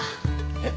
えっ。